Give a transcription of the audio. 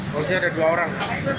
polisi ada dua orang